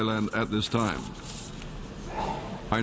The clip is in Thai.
คุณพระเจ้า